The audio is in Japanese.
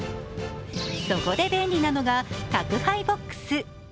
そこで便利なのが宅配ボックス。